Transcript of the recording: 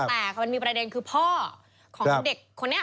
แต่มันมีประเด็นคือพ่อของเด็กคนนี้